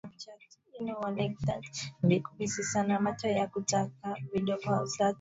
Mmasai mzee na ndewe zilizonyoshwa Kutoboa na kunyosha ndewe ni kawaida ya Wamasai